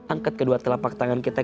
angkat kedua telapak tangan kita